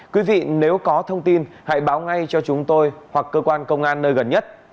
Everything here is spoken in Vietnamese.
quý vị nếu có thông tin hãy báo ngay cho chúng tôi hoặc cơ quan công an nơi gần nhất